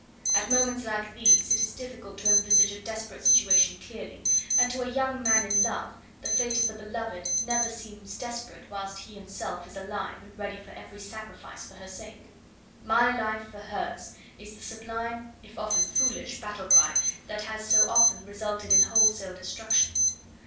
At moments like these it is difficult to envisage a desperate situation clearly, and to a young man in love the fate of the beloved never seems desperate whilst he himself is alive and ready for every sacrifice for her sake. "My life for hers" is the sublime if often foolish battle cry that has so often resulted in whole sale destruction.